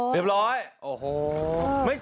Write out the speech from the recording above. เรียบร้อย